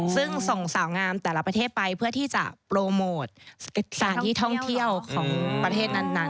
ซึ่งส่งสาวงามแต่ละประเทศไปเพื่อที่จะโปรโมทสถานที่ท่องเที่ยวของประเทศนั้น